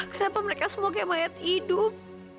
kenapa mereka semua kayak mayat hidup